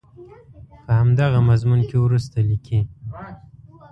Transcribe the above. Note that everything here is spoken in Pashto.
په همدغه مضمون کې وروسته لیکي.